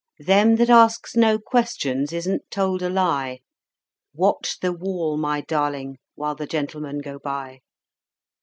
Them that ask no questions isn't told a lie. Watch the wall, my darling, while the Gentlemen go by!